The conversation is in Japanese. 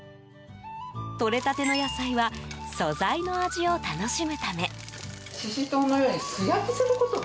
とれたての野菜は素材の味を楽しむため。